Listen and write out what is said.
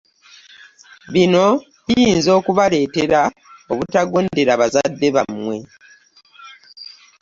Bino birinza okubaleetera obutagondera bazadde bammwe.